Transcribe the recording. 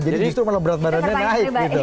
jadi justru malah berat badannya naik